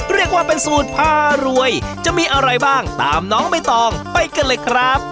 เรียกว่าเป็นสูตรพารวยจะมีอะไรบ้างตามน้องใบตองไปกันเลยครับ